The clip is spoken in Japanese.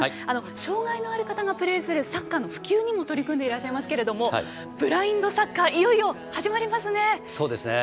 障がいがある方のサッカーの普及にも取り組んでいらっしゃいますがブラインドサッカーがいよいよ始まりますね！